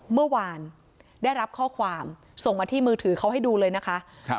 เมื่อวานได้รับข้อความส่งมาที่มือถือเขาให้ดูเลยนะคะ